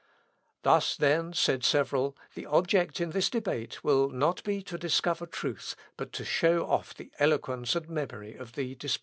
"Thus then," said several, "the object in this debate will not be to discover truth, but to show off the eloquence and memory of the disputants."